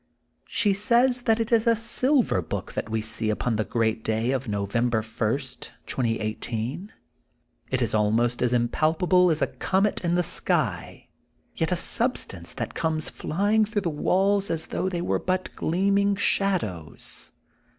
She says that it is a silver book that we see upon the great day of November 1st, 2018. It sheds an ineffable white light, it is almost as impal pable as a comet in the sky, yet a substance that comes flying through the walls as though they were but gleaming shadows.